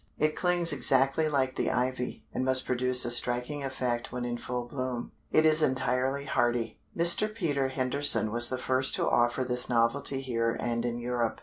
It clings exactly like the Ivy, and must produce a striking effect when in full bloom. It is entirely hardy. Mr. Peter Henderson was the first to offer this novelty here and in Europe.